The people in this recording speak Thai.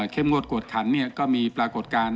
งวดกวดขันก็มีปรากฏการณ์